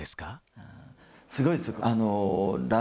すごいです。